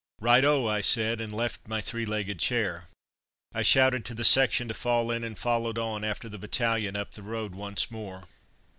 "Right oh!" I said, and left my three legged chair. I shouted to the section to "fall in," and followed on after the battalion up the road once more.